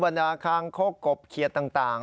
บรรดาข้างโคกกบเคียดต่าง